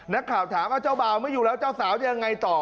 นักข่าวถามว่าเจ้าบ่าวไม่อยู่แล้วเจ้าสาวจะยังไงต่อ